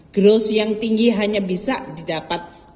growth yang tinggi hanya bisa didapat